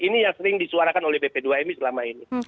ini yang sering disuarakan oleh bp dua mi selama ini